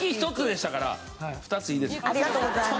ありがとうございます。